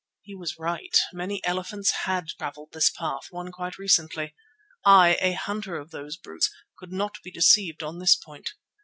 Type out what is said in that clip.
He was right; many elephants had travelled this path—one quite recently. I, a hunter of those brutes, could not be deceived on this point.